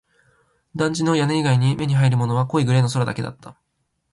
団地の屋根以外に目に入るものは濃いグレーの空だけだった